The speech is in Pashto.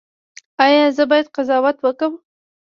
ایا زه باید قضاوت وکړم؟